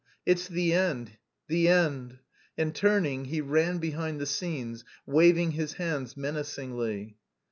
It's the end, the end...." And turning, he ran behind the scenes, waving his hands menacingly.